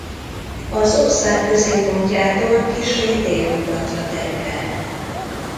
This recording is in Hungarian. Az ország középpontjától kissé délnyugatra terül el.